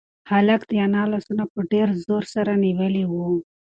هلک د انا لاسونه په ډېر زور سره نیولي وو.